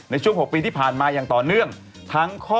ในช่วง๖ปีที่ผ่านมาอย่างต่อเนื่อง